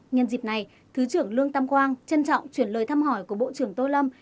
nhân dịp này thứ trưởng lương tam quang trân trọng chuyển lời thăm hỏi của bộ trưởng tô lâm